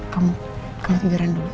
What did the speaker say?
kamu tigaran dulu